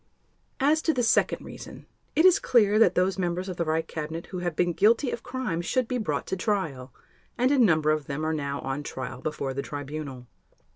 As to the second reason, it is clear that those members of the Reich Cabinet who have been guilty of crimes should be brought to trial; and a number of them are now on trial before the Tribunal.